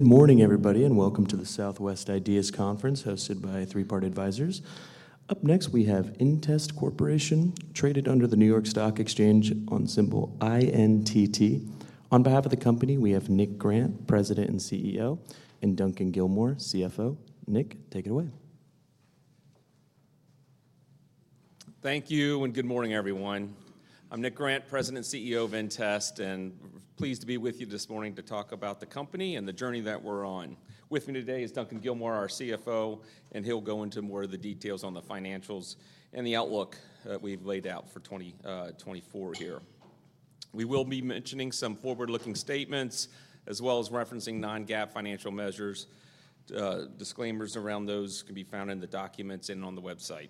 Good morning, everybody, and welcome to the Southwest Ideas Conference hosted by Three Part Advisors. Up next, we have inTEST Corporation, traded under the New York Stock Exchange on symbol INTT. On behalf of the company, we have Nick Grant, President and CEO, and Duncan Gilmour, CFO. Nick, take it away. Thank you, and good morning, everyone. I'm Nick Grant, President and CEO of inTEST, and pleased to be with you this morning to talk about the company and the journey that we're on. With me today is Duncan Gilmour, our CFO, and he'll go into more of the details on the financials and the outlook that we've laid out for 2024 here. We will be mentioning some forward-looking statements, as well as referencing non-GAAP financial measures. Disclaimers around those can be found in the documents and on the website,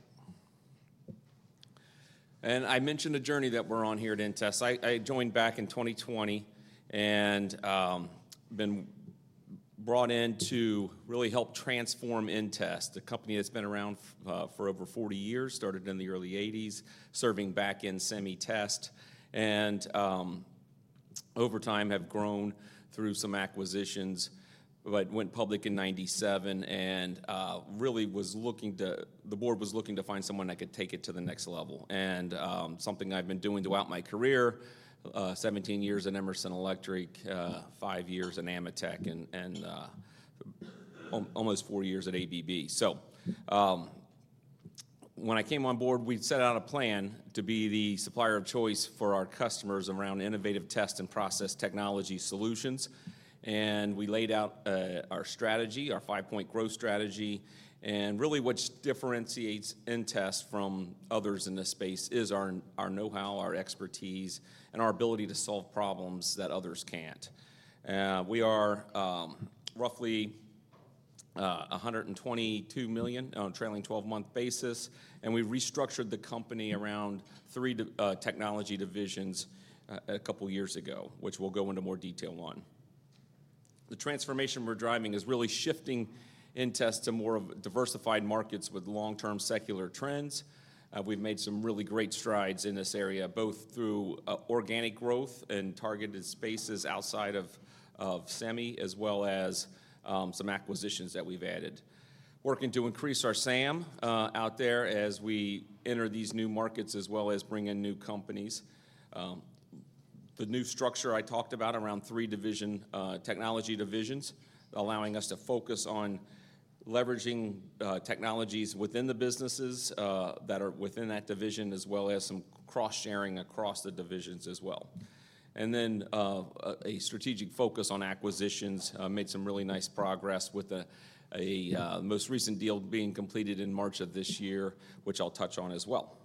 and I mentioned the journey that we're on here at inTEST. I joined back in 2020 and been brought in to really help transform inTEST, a company that's been around for over 40 years, started in the early 1980s, serving back in semi-test, and over time have grown through some acquisitions. But went public in 1997 and really was looking to, the board was looking to find someone that could take it to the next level. And something I've been doing throughout my career, 17 years at Emerson Electric, five years at AMETEK, and almost four years at ABB. So when I came on board, we set out a plan to be the supplier of choice for our customers around innovative test and process technology solutions. And we laid out our strategy, our five-point growth strategy. And really what differentiates inTEST from others in this space is our know-how, our expertise, and our ability to solve problems that others can't. We are roughly $122 million on a trailing 12-month basis, and we've restructured the company around three technology divisions a couple of years ago, which we'll go into more detail on. The transformation we're driving is really shifting inTEST to more of diversified markets with long-term secular trends. We've made some really great strides in this area, both through organic growth and targeted spaces outside of semi, as well as some acquisitions that we've added. Working to increase our SAM out there as we enter these new markets, as well as bring in new companies. The new structure I talked about around three technology divisions, allowing us to focus on leveraging technologies within the businesses that are within that division, as well as some cross-sharing across the divisions as well. And then a strategic focus on acquisitions made some really nice progress with the most recent deal being completed in March of this year, which I'll touch on as well.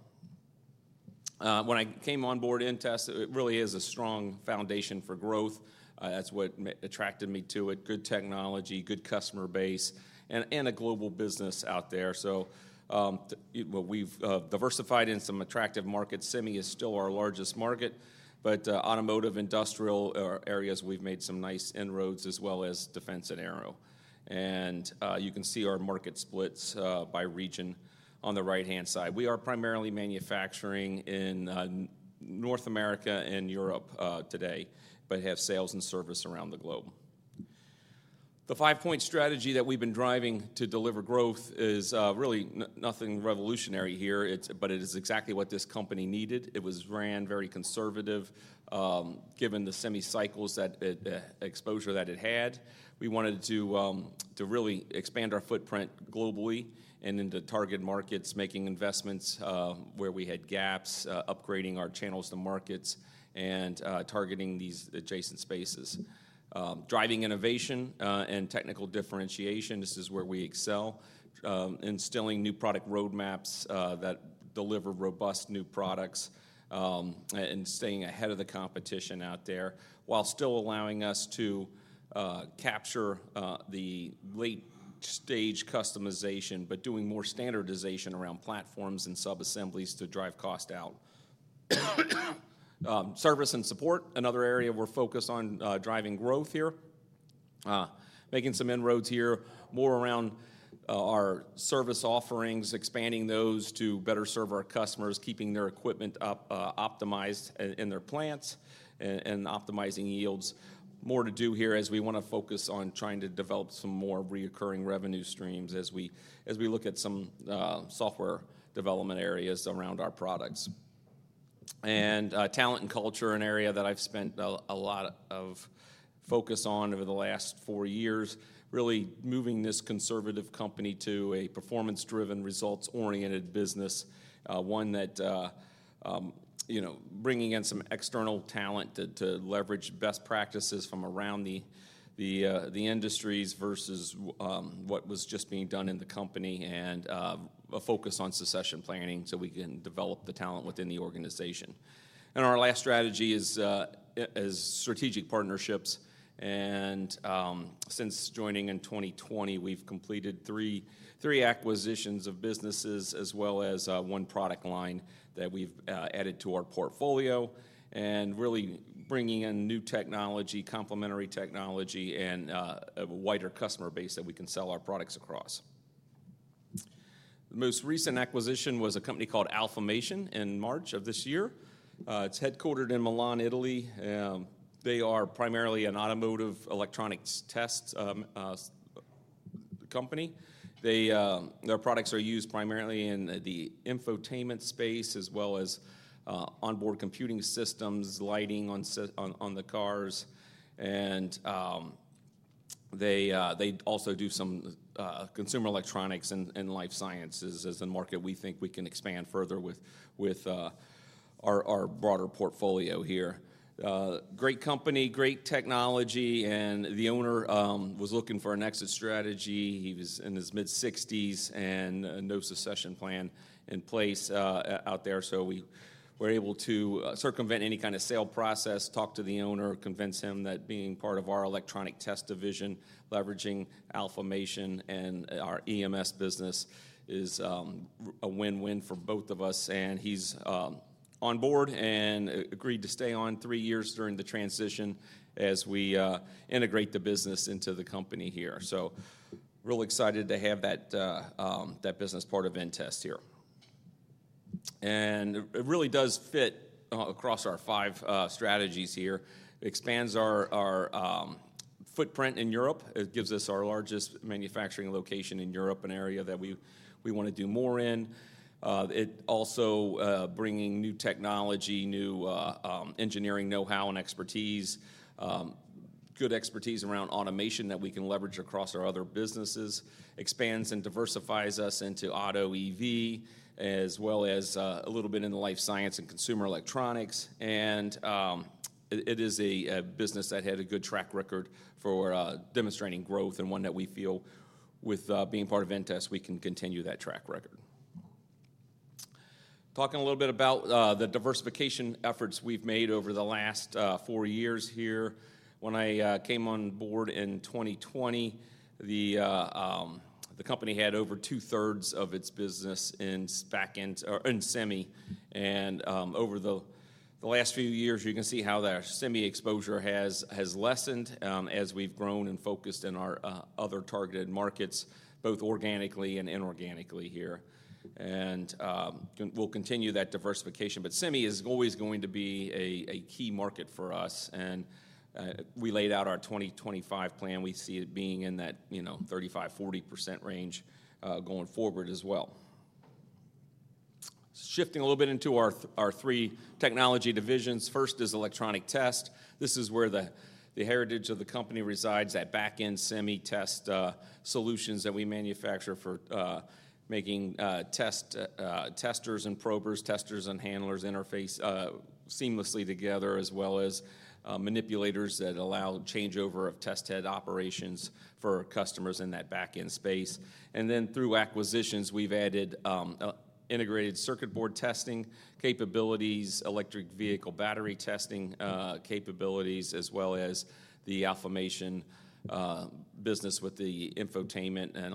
When I came on board inTEST, it really is a strong foundation for growth. That's what attracted me to it: good technology, good customer base, and a global business out there. We've diversified in some attractive markets. Semi is still our largest market, but automotive industrial areas, we've made some nice inroads, as well as defense and aero. You can see our market splits by region on the right-hand side. We are primarily manufacturing in North America and Europe today, but have sales and service around the globe. The five-point strategy that we've been driving to deliver growth is really nothing revolutionary here, but it is exactly what this company needed. It was run very conservative, given the semi-cycles, the exposure that it had. We wanted to really expand our footprint globally and into target markets, making investments where we had gaps, upgrading our channels to markets, and targeting these adjacent spaces. Driving innovation and technical differentiation, this is where we excel, instilling new product roadmaps that deliver robust new products and staying ahead of the competition out there, while still allowing us to capture the late-stage customization, but doing more standardization around platforms and sub-assemblies to drive cost out. Service and support, another area we're focused on driving growth here, making some inroads here more around our service offerings, expanding those to better serve our customers, keeping their equipment optimized in their plants, and optimizing yields. More to do here as we want to focus on trying to develop some more recurring revenue streams as we look at some software development areas around our products. And talent and culture, an area that I've spent a lot of focus on over the last four years, really moving this conservative company to a performance-driven, results-oriented business, one that bringing in some external talent to leverage best practices from around the industries versus what was just being done in the company, and a focus on succession planning so we can develop the talent within the organization. And our last strategy is strategic partnerships. And since joining in 2020, we've completed three acquisitions of businesses, as well as one product line that we've added to our portfolio, and really bringing in new technology, complementary technology, and a wider customer base that we can sell our products across. The most recent acquisition was a company called Alphamation in March of this year. It's headquartered in Milan, Italy. They are primarily an automotive electronics test company. Their products are used primarily in the infotainment space, as well as onboard computing systems, lighting on the cars. And they also do some consumer electronics and life sciences as a market we think we can expand further with our broader portfolio here. Great company, great technology. And the owner was looking for an exit strategy. He was in his mid-60s and no succession plan in place out there. So we were able to circumvent any kind of sale process, talk to the owner, convince him that being part of our electronic test division, leveraging Alphamation and our EMS business is a win-win for both of us. And he's on board and agreed to stay on three years during the transition as we integrate the business into the company here. So real excited to have that business part of inTEST here. It really does fit across our five strategies here. It expands our footprint in Europe. It gives us our largest manufacturing location in Europe, an area that we want to do more in. It also brings new technology, new engineering know-how and expertise, good expertise around automation that we can leverage across our other businesses. Expands and diversifies us into auto, EV, as well as a little bit in the life science and consumer electronics. And it is a business that had a good track record for demonstrating growth and one that we feel with being part of inTEST, we can continue that track record. Talking a little bit about the diversification efforts we've made over the last four years here. When I came on board in 2020, the company had over 2/3 of its business in semi. And over the last few years, you can see how our semi exposure has lessened as we've grown and focused in our other targeted markets, both organically and inorganically here. And we'll continue that diversification. But semi is always going to be a key market for us. And we laid out our 2025 plan. We see it being in that 35%-40% range going forward as well. Shifting a little bit into our three technology divisions. First is electronic test. This is where the heritage of the company resides, that back-end semi test solutions that we manufacture for making testers and probers, testers and handlers interface seamlessly together, as well as manipulators that allow changeover of test head operations for customers in that back-end space. Then through acquisitions, we've added integrated circuit board testing capabilities, electric vehicle battery testing capabilities, as well as the Alphamation business with the infotainment and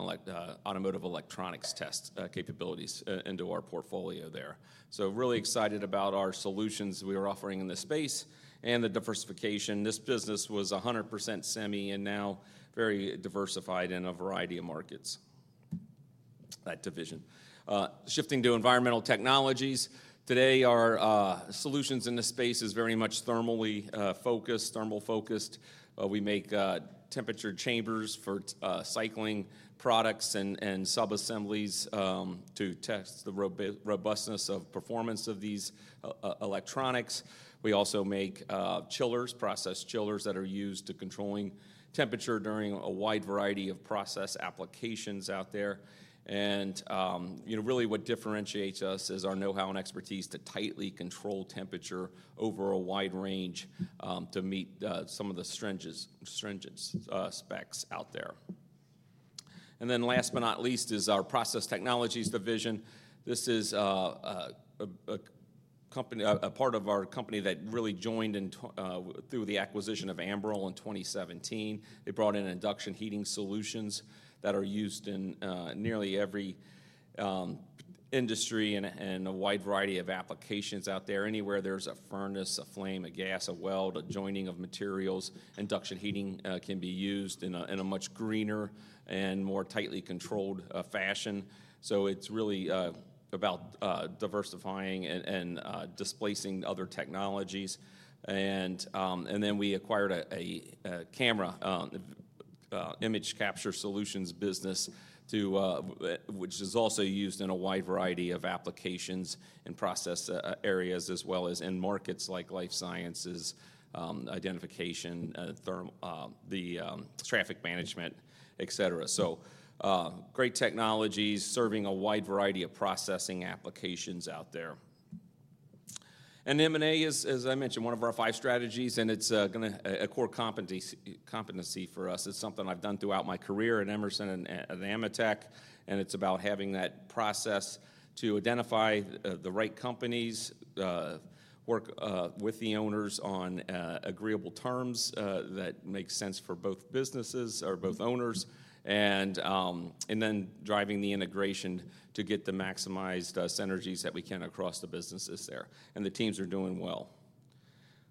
automotive electronics test capabilities into our portfolio there. So really excited about our solutions we are offering in this space and the diversification. This business was 100% semi and now very diversified in a variety of markets, that division. Shifting to Environmental Technologies. Today, our solutions in this space are very much thermally focused, thermal focused. We make temperature chambers for cycling products and sub-assemblies to test the robustness of performance of these electronics. We also make chillers, process chillers that are used to control temperature during a wide variety of process applications out there. And really what differentiates us is our know-how and expertise to tightly control temperature over a wide range to meet some of the stringent specs out there. Last but not least is our Process Technologies Division. This is a part of our company that really joined through the acquisition of Ambrell in 2017. They brought in induction heating solutions that are used in nearly every industry and a wide variety of applications out there. Anywhere there's a furnace, a flame, a gas, a weld, a joining of materials, induction heating can be used in a much greener and more tightly controlled fashion. So it's really about diversifying and displacing other technologies. We acquired a camera image capture solutions business, which is also used in a wide variety of applications and process areas, as well as in markets like life sciences, identification, the traffic management, etc. Great technologies serving a wide variety of processing applications out there. And M&A is, as I mentioned, one of our five strategies, and it's a core competency for us. It's something I've done throughout my career at Emerson and AMETEK. And it's about having that process to identify the right companies, work with the owners on agreeable terms that make sense for both businesses or both owners, and then driving the integration to get the maximized synergies that we can across the businesses there. And the teams are doing well.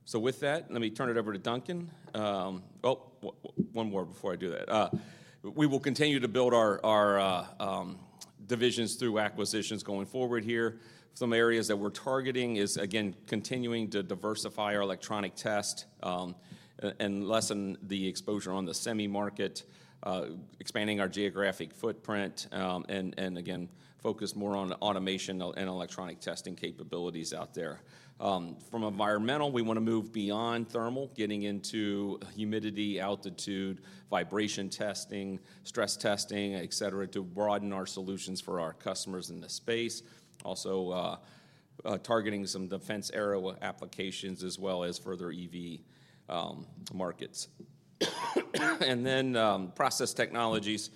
So with that, let me turn it over to Duncan. Oh, one more before I do that. We will continue to build our divisions through acquisitions going forward here. Some areas that we're targeting is, again, continuing to diversify our electronic test and lessen the exposure on the semi market, expanding our geographic footprint, and again, focus more on automation and electronic testing capabilities out there. From environmental, we want to move beyond thermal, getting into humidity, altitude, vibration testing, stress testing, etc., to broaden our solutions for our customers in the space. Also targeting some defense aero applications, as well as further EV markets. And then process technologies.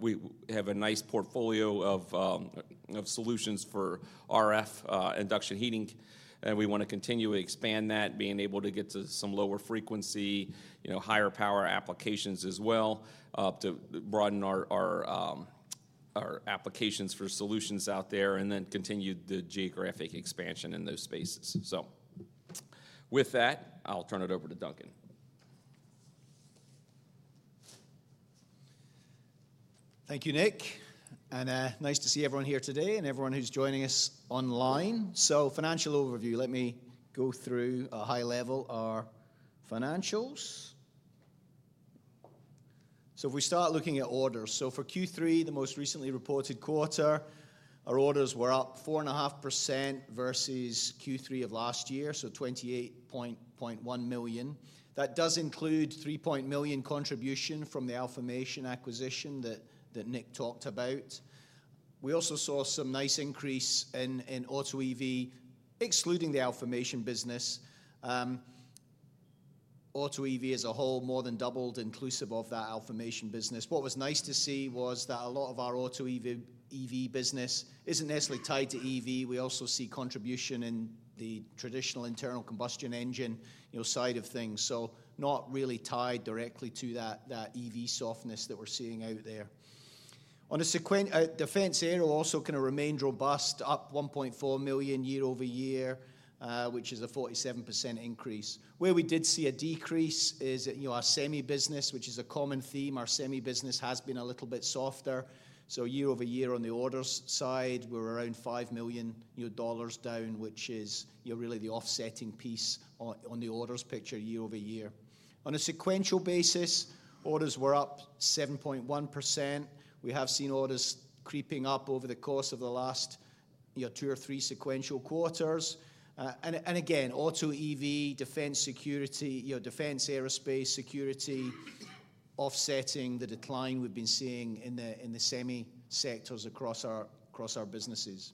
We have a nice portfolio of solutions for RF induction heating, and we want to continue to expand that, being able to get to some lower frequency, higher power applications as well, to broaden our applications for solutions out there, and then continue the geographic expansion in those spaces. So with that, I'll turn it over to Duncan. Thank you, Nick. And nice to see everyone here today and everyone who's joining us online. So financial overview, let me go through a high level our financials. If we start looking at orders, for Q3, the most recently reported quarter, our orders were up 4.5% versus Q3 of last year, $28.1 million. That does include $3.1 million contribution from the Alphamation acquisition that Nick talked about. We also saw some nice increase in auto EV, excluding the Alphamation business. Auto EV as a whole more than doubled inclusive of that Alphamation business. What was nice to see was that a lot of our auto EV business isn't necessarily tied to EV. We also see contribution in the traditional internal combustion engine side of things, so not really tied directly to that EV softness that we're seeing out there. On a defense aero also can remain robust, up $1.4 million year over year, which is a 47% increase. Where we did see a decrease is our semi business, which is a common theme. Our semi business has been a little bit softer. So year over year on the orders side, we're around $5 million down, which is really the offsetting piece on the orders picture year over year. On a sequential basis, orders were up 7.1%. We have seen orders creeping up over the course of the last two or three sequential quarters. And again, auto EV, defense security, defense aerospace security, offsetting the decline we've been seeing in the semi sectors across our businesses.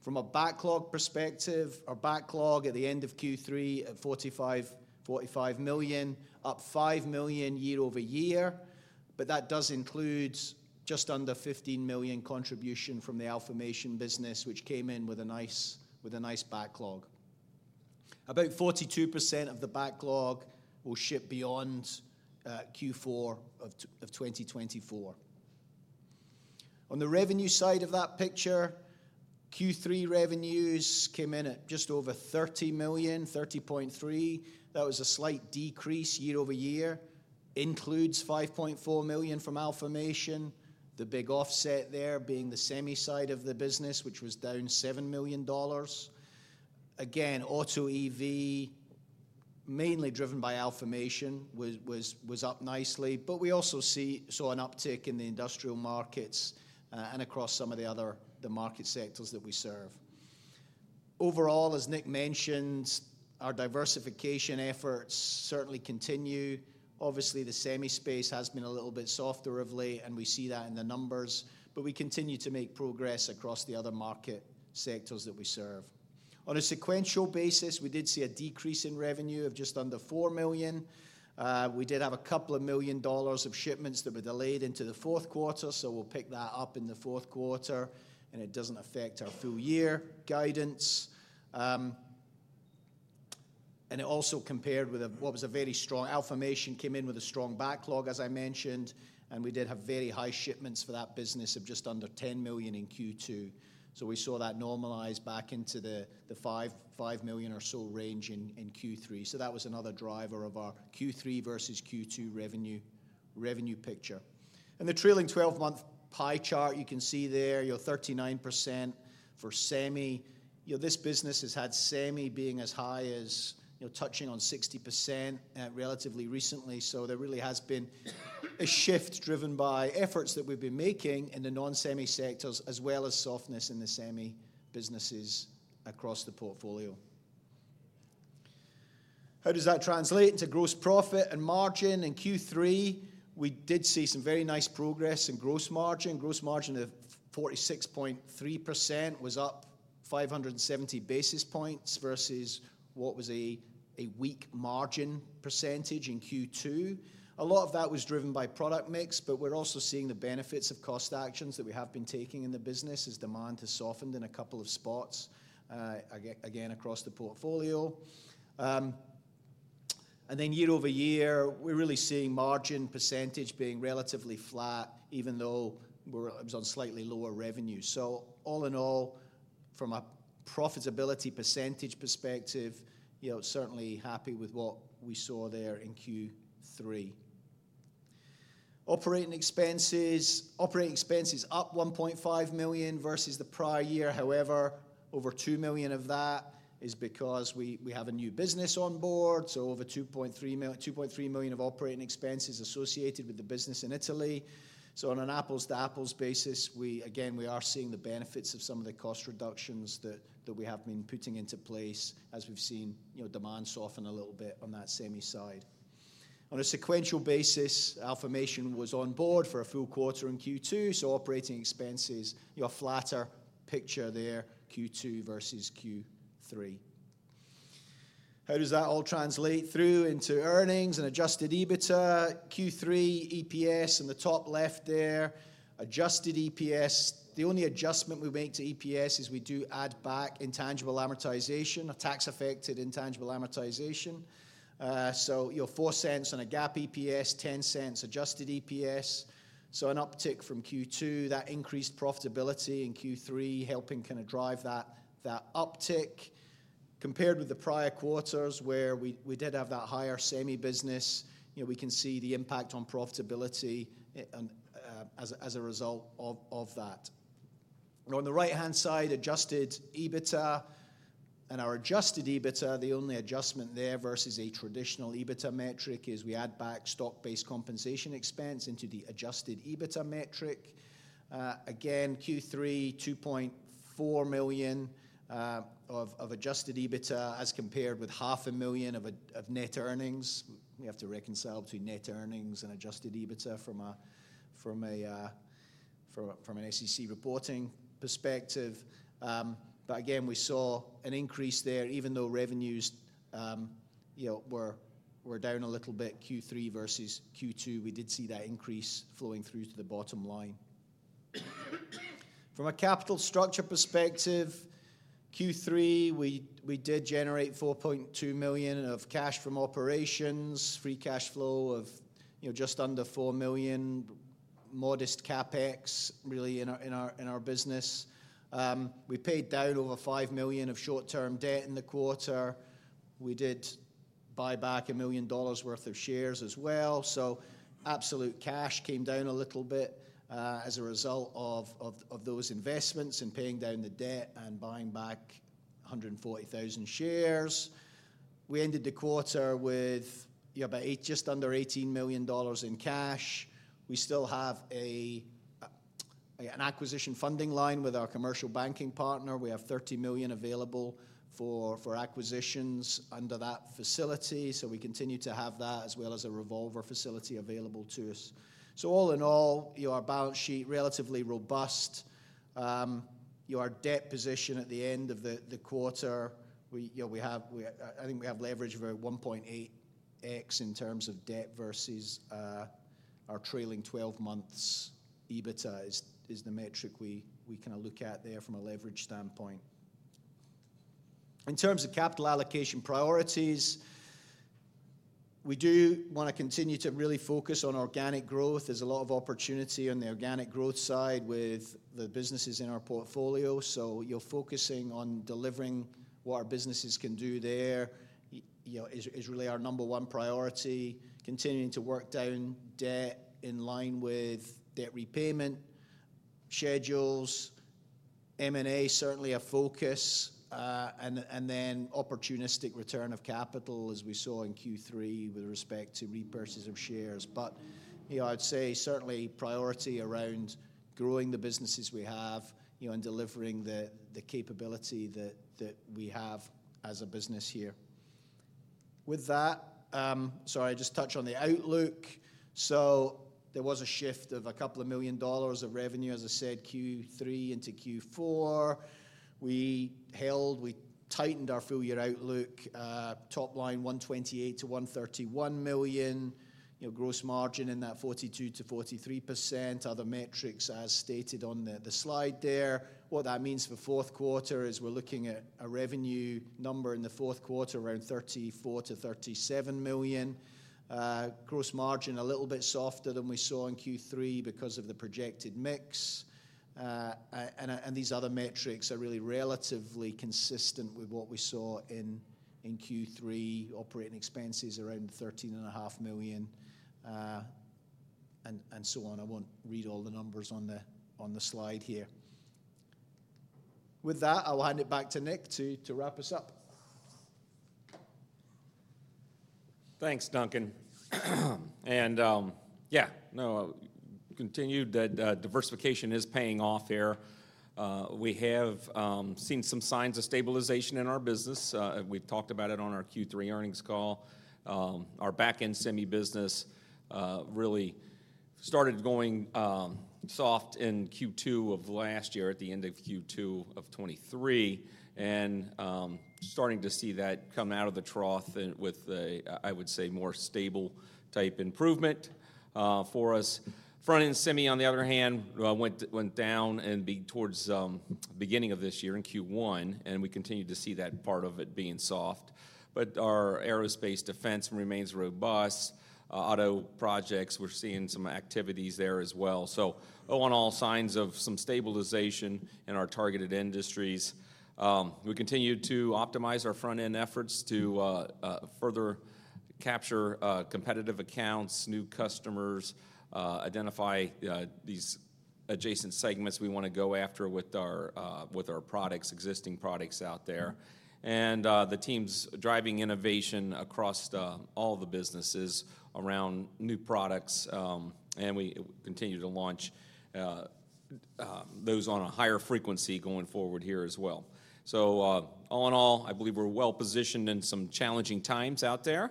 From a backlog perspective, our backlog at the end of Q3 at $45 million, up $5 million year over year. But that does include just under $15 million contribution from the Alphamation business, which came in with a nice backlog. About 42% of the backlog will ship beyond Q4 of 2024. On the revenue side of that picture, Q3 revenues came in at just over $30 million, $30.3 million. That was a slight decrease year over year. Includes $5.4 million from Alphamation, the big offset there being the semi side of the business, which was down $7 million. Again, auto EV, mainly driven by Alphamation, was up nicely. But we also saw an uptick in the industrial markets and across some of the other market sectors that we serve. Overall, as Nick mentioned, our diversification efforts certainly continue. Obviously, the semi space has been a little bit softer of late, and we see that in the numbers. But we continue to make progress across the other market sectors that we serve. On a sequential basis, we did see a decrease in revenue of just under $4 million. We did have $2 million of shipments that were delayed into the fourth quarter, so we'll pick that up in the fourth quarter, and it doesn't affect our full year guidance. And it also compared with what was a very strong Alphamation came in with a strong backlog, as I mentioned, and we did have very high shipments for that business of just under $10 million in Q2. So we saw that normalize back into the $5 million or so range in Q3. So that was another driver of our Q3 versus Q2 revenue picture. And the trailing 12-month pie chart you can see there, 39% for semi. This business has had semi being as high as touching on 60% relatively recently. So there really has been a shift driven by efforts that we've been making in the non-semi sectors, as well as softness in the semi businesses across the portfolio. How does that translate into gross profit and margin? In Q3, we did see some very nice progress in gross margin. Gross margin of 46.3% was up 570 basis points versus what was a weak margin percentage in Q2. A lot of that was driven by product mix, but we're also seeing the benefits of cost actions that we have been taking in the business as demand has softened in a couple of spots, again, across the portfolio. And then year over year, we're really seeing margin percentage being relatively flat, even though it was on slightly lower revenue. So all in all, from a profitability percentage perspective, certainly happy with what we saw there in Q3. Operating expenses up $1.5 million versus the prior year. However, over two million of that is because we have a new business on board. So over $2.3 million of operating expenses associated with the business in Italy. So on an apples-to-apples basis, again, we are seeing the benefits of some of the cost reductions that we have been putting into place as we've seen demand soften a little bit on that semi side. On a sequential basis, Alphamation was on board for a full quarter in Q2. So operating expenses, flatter picture there Q2 versus Q3. How does that all translate through into earnings and Adjusted EBITDA? Q3 EPS in the top left there. Adjusted EPS, the only adjustment we make to EPS is we do add back intangible amortization, a tax-affected intangible amortization. So $0.04 on a GAAP EPS, $0.10 adjusted EPS. An uptick from Q2, that increased profitability in Q3 helping kind of drive that uptick. Compared with the prior quarters where we did have that higher semi business, we can see the impact on profitability as a result of that. On the right-hand side, adjusted EBITDA. Our adjusted EBITDA, the only adjustment there versus a traditional EBITDA metric is we add back stock-based compensation expense into the adjusted EBITDA metric. Again, Q3, $2.4 million of adjusted EBITDA as compared with $500,000 of net earnings. We have to reconcile between net earnings and adjusted EBITDA from an SEC reporting perspective. Again, we saw an increase there, even though revenues were down a little bit Q3 versus Q2, we did see that increase flowing through to the bottom line. From a capital structure perspective, Q3, we did generate $4.2 million of cash from operations, free cash flow of just under $4 million, modest CapEx really in our business. We paid down over $5 million of short-term debt in the quarter. We did buy back $1 million worth of shares as well. So absolute cash came down a little bit as a result of those investments and paying down the debt and buying back 140,000 shares. We ended the quarter with just under $18 million in cash. We still have an acquisition funding line with our commercial banking partner. We have $30 million available for acquisitions under that facility. So we continue to have that as well as a revolver facility available to us. So all in all, our balance sheet relatively robust. Our debt position at the end of the quarter, I think we have leverage of 1.8x in terms of debt versus our trailing 12 months EBITDA. That is the metric we kind of look at there from a leverage standpoint. In terms of capital allocation priorities, we do want to continue to really focus on organic growth. There's a lot of opportunity on the organic growth side with the businesses in our portfolio. So focusing on delivering what our businesses can do there is really our number one priority. Continuing to work down debt in line with debt repayment schedules. M&A certainly a focus. And then opportunistic return of capital as we saw in Q3 with respect to repurchase of shares. But I'd say certainly priority around growing the businesses we have and delivering the capability that we have as a business here. With that, sorry, I just touched on the outlook, so there was a shift of $2 million of revenue, as I said, Q3 into Q4. We held, we tightened our full year outlook. Top line $128 million-$131 million. Gross margin in that 42%-43%. Other metrics as stated on the slide there. What that means for fourth quarter is we're looking at a revenue number in the fourth quarter around $34 million-$37 million. Gross margin a little bit softer than we saw in Q3 because of the projected mix, and these other metrics are really relatively consistent with what we saw in Q3. Operating expenses around $13.5 million and so on. I won't read all the numbers on the slide here. With that, I'll hand it back to Nick to wrap us up. Thanks, Duncan. And yeah, no, continue that diversification is paying off here. We have seen some signs of stabilization in our business. We've talked about it on our Q3 earnings call. Our back-end semi business really started going soft in Q2 of last year, at the end of Q2 of 2023, and starting to see that come out of the trough with the, I would say, more stable type improvement for us. Front-end semi, on the other hand, went down and bottomed towards the beginning of this year in Q1, and we continue to see that part of it being soft. But our aerospace defense remains robust. Auto projects, we're seeing some activities there as well. So all in all, signs of some stabilization in our targeted industries. We continue to optimize our front-end efforts to further capture competitive accounts, new customers, identify these adjacent segments we want to go after with our products, existing products out there. And the team's driving innovation across all the businesses around new products. And we continue to launch those on a higher frequency going forward here as well. So all in all, I believe we're well positioned in some challenging times out there.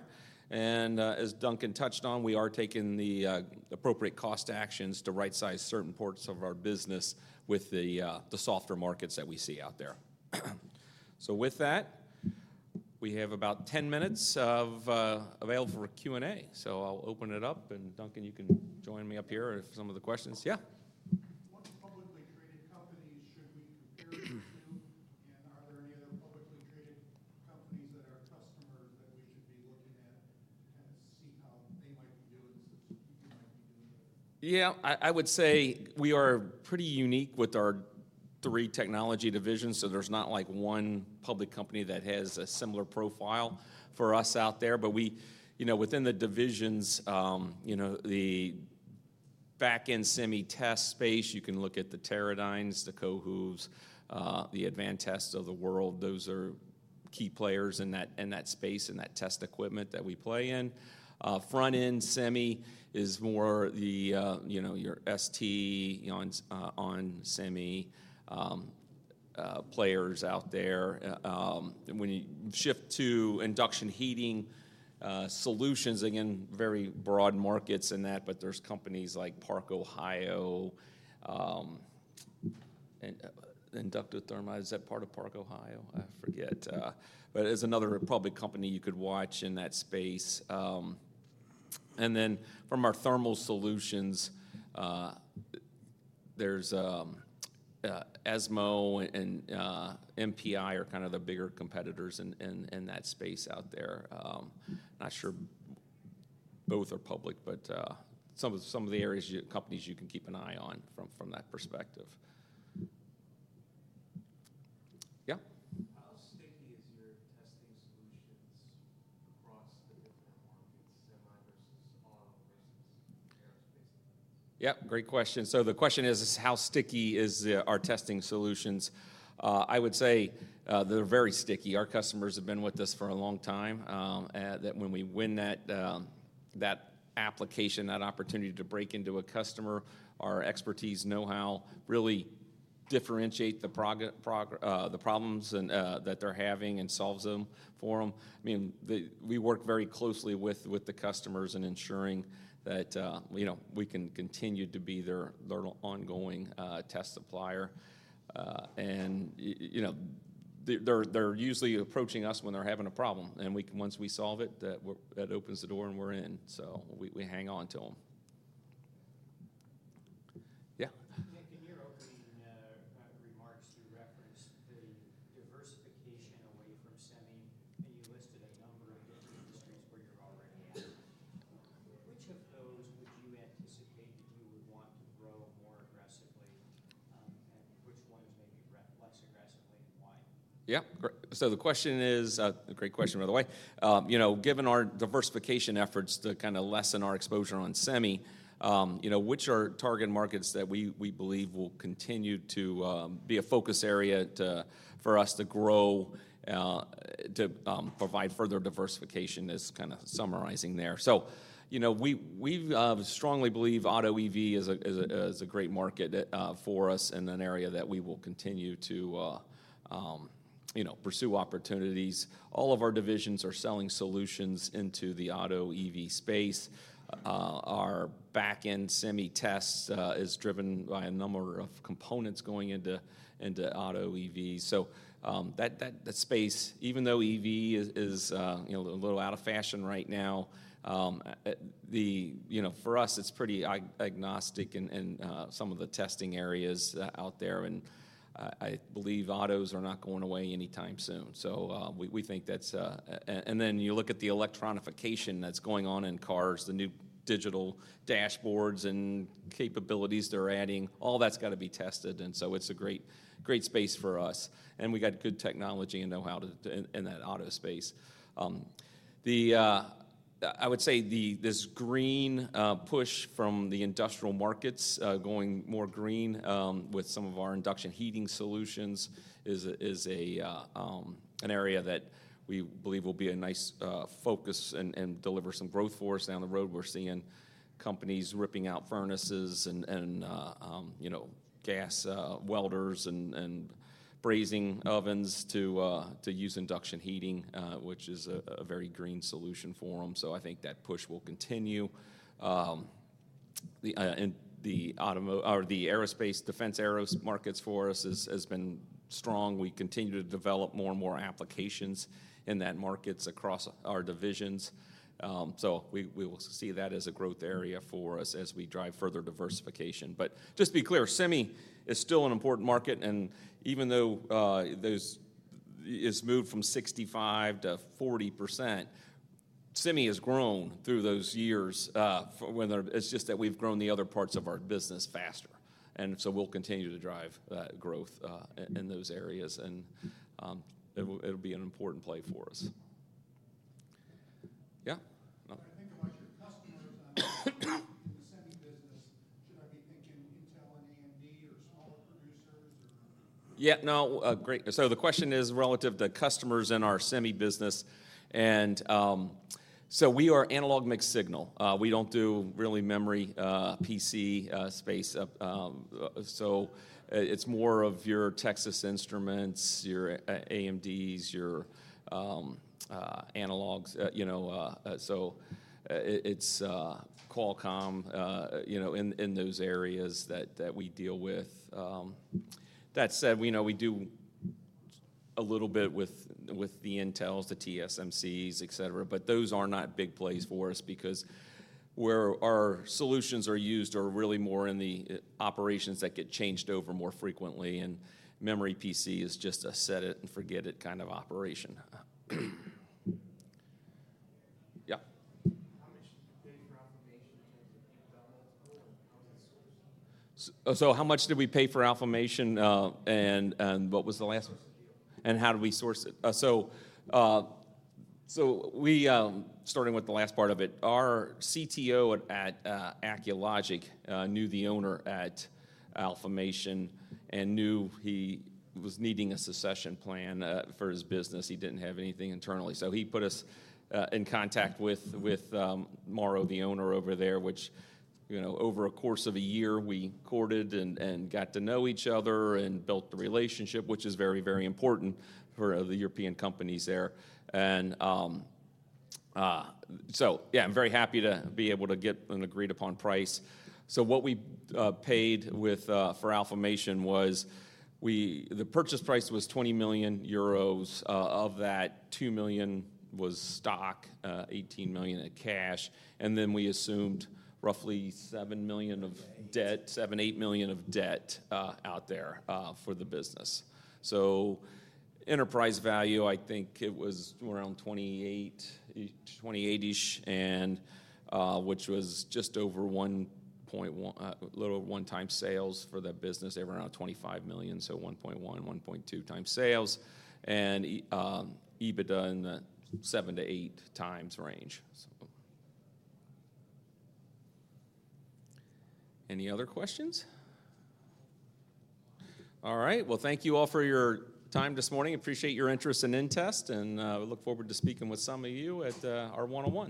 And as Duncan touched on, we are taking the appropriate cost actions to right-size certain parts of our business with the softer markets that we see out there. So with that, we have about 10 minutes available for Q&A. So I'll open it up. And Duncan, you can join me up here for some of the questions. Yeah. What publicly traded companies should we compare to? And are there any other publicly traded companies that are customers that we should be looking at to kind of see how they might be doing since you might be doing it? Yeah. I would say we are pretty unique with our three technology divisions. So there's not one public company that has a similar profile for us out there. But within the divisions, the back-end semi test space, you can look at the Teradynes, the Cohus, the Advantests of the world. Those are key players in that space and that test equipment that we play in. Front-end semi is more your ST, onsemi players out there. When you shift to induction heating solutions, again, very broad markets in that. But there's companies like Park-Ohio. Inductotherm, is that part of Park-Ohio? I forget. But it's another public company you could watch in that space. And then from our thermal solutions, there's esmo and MPI are kind of the bigger competitors in that space out there. Not sure both are public, but some of the companies you can keep an eye on from that perspective. Yeah. How sticky is your testing solutions across the different markets, semi versus auto versus aerospace? Yeah. Great question. So the question is, how sticky is our testing solutions? I would say they're very sticky. Our customers have been with us for a long time. That when we win that application, that opportunity to break into a customer, our expertise, know-how really differentiates the problems that they're having and solves them for them. I mean, we work very closely with the customers in ensuring that we can continue to be their ongoing test supplier. And they're usually approaching us when they're having a problem. Once we solve it, that opens the door and we're in. So we hang on to them. Yeah. Nick, in your opening remarks, you referenced the diversification away from semi. You listed a number of different industries where you're already at. Which of those would you anticipate that you would want to grow more aggressively? Which ones maybe less aggressively and why? Yeah. The question is, great question, by the way. Given our diversification efforts to kind of lessen our exposure on semi, which are target markets that we believe will continue to be a focus area for us to grow to provide further diversification is kind of summarizing there. We strongly believe auto EV is a great market for us in an area that we will continue to pursue opportunities. All of our divisions are selling solutions into the auto EV space. Our back-end semi test is driven by a number of components going into auto EV. That space, even though EV is a little out of fashion right now, for us, it's pretty agnostic in some of the testing areas out there, and I believe autos are not going away anytime soon, so we think that's, and then you look at the electronification that's going on in cars, the new digital dashboards and capabilities they're adding, all that's got to be tested, and so it's a great space for us, and we got good technology and know-how in that auto space. I would say this green push from the industrial markets going more green with some of our induction heating solutions is an area that we believe will be a nice focus and deliver some growth for us down the road. We're seeing companies ripping out furnaces and gas welders and brazing ovens to use induction heating, which is a very green solution for them. So I think that push will continue. The aerospace and defense markets for us has been strong. We continue to develop more and more applications in that markets across our divisions. So we will see that as a growth area for us as we drive further diversification. But just to be clear, semi is still an important market. And even though it's moved from 65% to 40%, semi has grown through those years. It's just that we've grown the other parts of our business faster. And so we'll continue to drive that growth in those areas. And it'll be an important play for us. Yeah. I think about your customers in the semi business. Should I be thinking Intel and AMD or smaller producers or? Yeah. No. So the question is relative to customers in our semi business. And so we are analog mixed signal. We don't do really memory PC space. So it's more of your Texas Instruments, your AMDs, your analogs. So it's Qualcomm in those areas that we deal with. That said, we do a little bit with the Intels, the TSMCs, etc. But those are not big plays for us because where our solutions are used are really more in the operations that get changed over more frequently. And memory PC is just a set it and forget it kind of operation. Yeah. How much did you pay for Alphamation in terms of deep down multiple and how was it sourced? So how much did we pay for Alphamation and what was the last? And how did we source it? Starting with the last part of it, our CTO at Acculogic knew the owner at Alphamation and knew he was needing a succession plan for his business. He didn't have anything internally. So he put us in contact with Mauro, the owner over there, which over a course of a year, we courted and got to know each other and built the relationship, which is very, very important for the European companies there. And so yeah, I'm very happy to be able to get an agreed-upon price. So what we paid for Alphamation was the purchase price was 20 million euros. Of that, 2 million was stock, 18 million in cash. And then we assumed roughly 7 million of debt, 7 million-8 million of debt out there for the business. Enterprise value, I think it was around 28-ish, which was just over 1.1x LTM sales for that business, around $25 million. So 1.1,x 1.2x sales. And EBITDA in the 7x-8x range. Any other questions? All right. Thank you all for your time this morning. I appreciate your interest in inTEST. We look forward to speaking with some of you at our one-on-one.